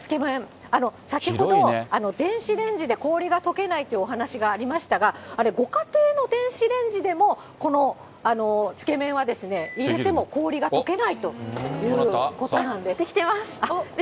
つけ麺、先ほど、電子レンジで氷がとけないというお話がありましたが、あれ、ご家庭の電子レンジでもこのつけ麺はですね、入れても氷がとけな出来てます。